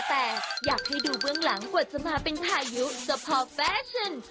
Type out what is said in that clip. แต่อยากให้ดูเบื้องหลังกว่าจะมาเป็นพายุเจ้าพ่อแฟชั่น